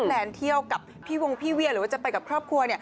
แลนด์เที่ยวกับพี่วงพี่เวียหรือว่าจะไปกับครอบครัว